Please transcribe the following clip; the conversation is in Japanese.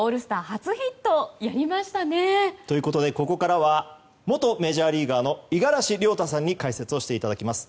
初ヒットやりましたね！ということでここからは元メジャーリーガーの五十嵐亮太さんに解説をしていただきます。